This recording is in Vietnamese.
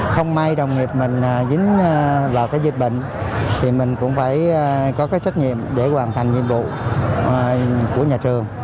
không may đồng nghiệp mình dính vào cái dịch bệnh thì mình cũng phải có cái trách nhiệm để hoàn thành nhiệm vụ của nhà trường